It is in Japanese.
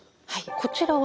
こちらは？